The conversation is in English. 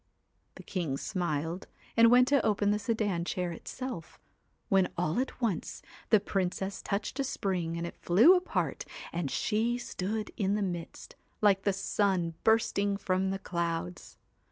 The king smiled, and went to open the sedan chair itself, when all at once, the Princess touched a spring and it flew apart, and she stood in the midst, like the sun bursting from clouds.